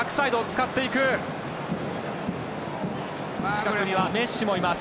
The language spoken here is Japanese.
近くにはメッシもいます。